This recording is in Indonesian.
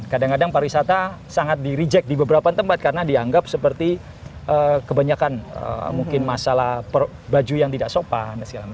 kadang kadang pariwisata sangat di reject di beberapa tempat karena dianggap seperti kebanyakan mungkin masalah baju yang tidak sopan dan segala macam